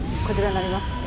こちらになります。